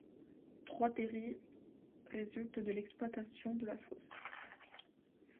Trois terrils résultent de l'exploitation de la fosse.